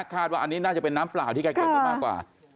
คาดว่าอันนี้น่าจะเป็นน้ำเปล่าที่ใกล้กันมากกว่า